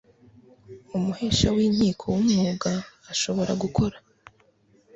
umuhesha w inkiko w umwuga ashobora gukora